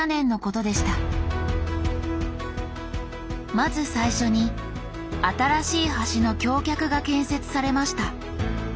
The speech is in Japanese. まず最初に新しい橋の「橋脚」が建設されました